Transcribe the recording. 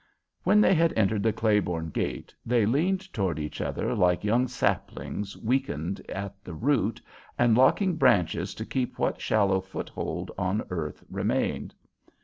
When they had entered the Claiborne gate, they leaned toward each other like young saplings weakened at the root and locking branches to keep what shallow foothold on earth remained.